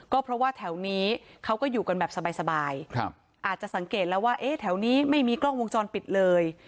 ก็เพราะว่าแถวนี้เขาก็อยู่กันแบบสบายอาจจะสังเกตแล้วว่าเอ๊ะแถวนี้ไม่มีกล้องวงจรปิดเลย